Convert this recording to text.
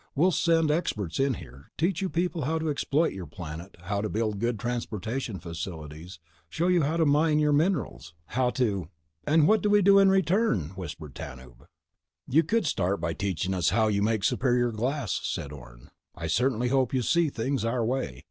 We'll send experts in here, teach you people how to exploit your planet, how to build good transportation facilities, show you how to mine your minerals, how to—" "And what do we do in return?" whispered Tanub. "You could start by teaching us how you make superior glass," said Orne. "I certainly hope you see things our way.